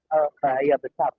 menjelaskan bahaya besar